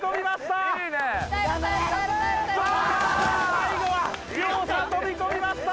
最後は両者飛び込みました！